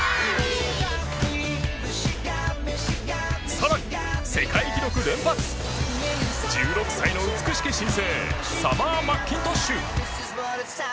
さらに世界記録連発１６歳の美しき新星サマー・マッキントッシュ